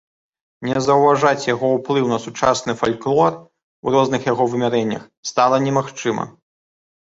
Не заўважаць яго ўплыў на сучасны фальклор у розных яго вымярэннях стала немагчыма.